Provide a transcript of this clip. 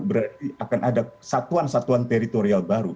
berarti akan ada satuan satuan teritorial baru